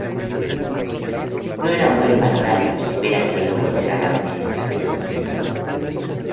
No era un buen panorama si hubiera querido volver a la administración.